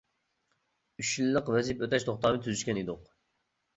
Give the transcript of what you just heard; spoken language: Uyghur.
ئۈچ يىللىق ۋەزىپە ئۆتەش توختامى تۈزۈشكەن ئىدۇق.